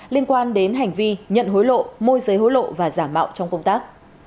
liên quan đến hành vi nhận hối lộ môi giới hối lộ và giả mạo trong công tác